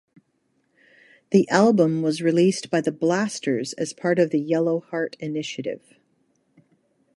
The album was released by the Blasters as part of the "Yellow Heart Initiative".